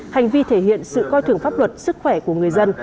hành vi thể hiện sự coi thường pháp luật sức khỏe của người dân